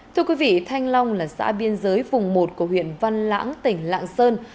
thưa quý vị thanh long là xã biên giới vùng một của huyện văn lãng tỉnh lạng sơn